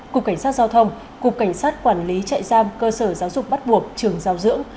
cục cảnh sát giao thông cục cảnh sát quản lý trại giam cơ sở giáo dục bắt buộc trường giao dưỡng